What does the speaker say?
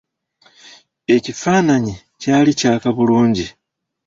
Ekifaananyi kyali kyaka bulungi.